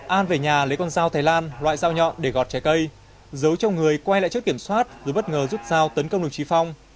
an về nhà lấy con dao thái lan loại dao nhọn để gọt trái cây giấu trong người quay lại chốt kiểm soát rồi bất ngờ rút dao tấn công đồng chí phong